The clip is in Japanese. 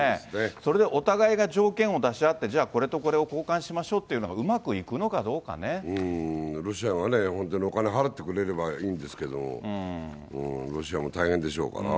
それでお互いが条件を出し合って、じゃあこれとこれを交換しましょうっていうのがうまくいくのかどロシアがね、本当にお金払ってくれればいいんですけど、ロシアも大変でしょう